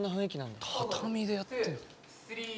畳でやってんだ。